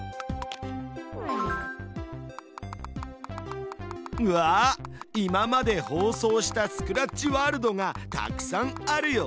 うわ今まで放送したスクラッチワールドがたくさんあるよ。